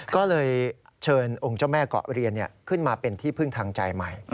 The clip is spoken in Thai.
ก็เลยเชิญองค์เจ้าแม่เกาะเรียนขึ้นมาเป็นที่พึ่งทางใจใหม่